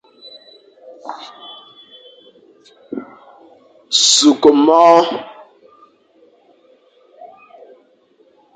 Sukh môr.